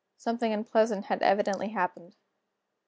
Something unpleasant had evidently happened.